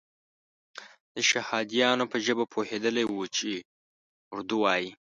د شهادیانو په ژبه پوهېدلی وو چې اردو وایي.